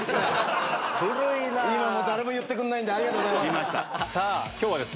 今誰も言ってくれないんでありがとうございます。